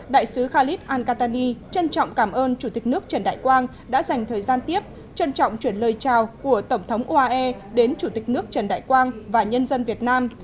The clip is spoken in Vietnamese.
đại sứ khalid ankatani trân trọng cảm ơn chủ tịch nước trần đại quang đã dành thời gian tiếp trân trọng chuyển lời chào của tổng thống uae đến chủ tịch nước trần đại quang và nhân dân việt nam